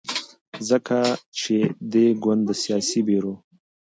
ځکه چې دې ګوند د سیاسي بیرو